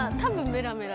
メラメラ。